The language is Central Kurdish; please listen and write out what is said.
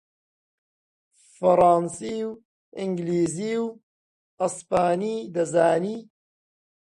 فەڕانسی و ئینگلیسی و ئەسپانی دەزانی